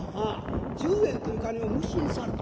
十円という金を無心された。